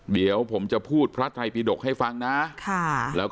เดี๋ยวผมจะพูดพระไทยประดกให้ฟังนะค่ะ